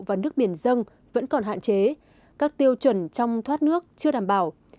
và nước biển dân vẫn còn hạn chế các tiêu chuẩn trong thoát nước chưa đảm bảo